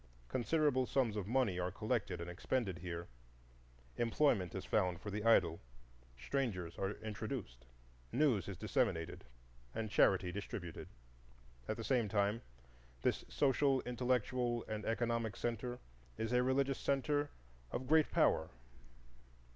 Considerable sums of money are collected and expended here, employment is found for the idle, strangers are introduced, news is disseminated and charity distributed. At the same time this social, intellectual, and economic centre is a religious centre of great power.